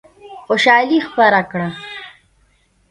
خوشالي خپره کړه.